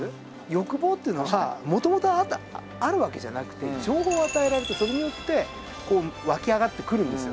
欲望っていうのは元々あるわけじゃなくて情報を与えられてそれによって湧き上がってくるんですよ。